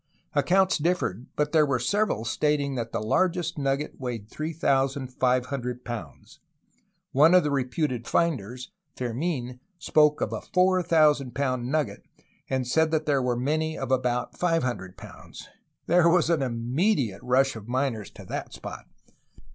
Accounts differed, but there were several stating that the largest nugget weighed 3500 pounds; one of the reputed finders, Fermln, spoke of a 4000 pound nugget, and said that there were many of about 500 pounds. There was an immediate rush of miners to the spot.